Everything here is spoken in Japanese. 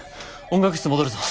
音楽室戻るぞ。